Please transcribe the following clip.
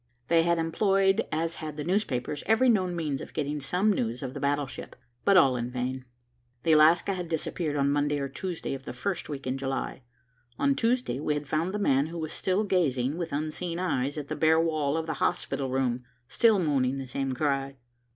They had employed, as had the newspapers, every known means of getting some news of the battleship, but all in vain. The Alaska had disappeared on Monday or Tuesday of the first week in July. On Tuesday, we had found the man who was still gazing with unseeing eyes at the bare wall of the hospital room, still moaning the same cry.